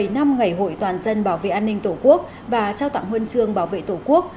một mươi năm ngày hội toàn dân bảo vệ an ninh tổ quốc và trao tặng huân chương bảo vệ tổ quốc